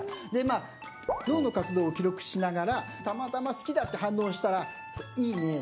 脳の活動を記録しながらたまたま好きだって反応したら「いいね」